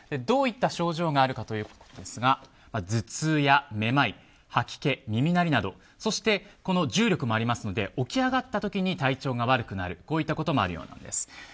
どういった症状があるかということですが頭痛やめまい吐き気、耳鳴りなどそして重力もありますので起き上がった時に体調が悪くなるといったこともあるようなんです。